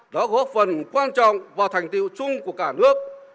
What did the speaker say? đã góp phần quan trọng vào thành tiệu chung của cả nước